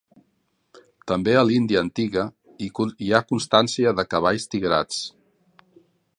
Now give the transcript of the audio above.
També a l'Índia antiga hi ha constància de cavalls tigrats.